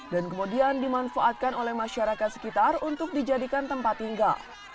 dan kemudian dimanfaatkan oleh masyarakat sekitar untuk dijadikan tempat tinggal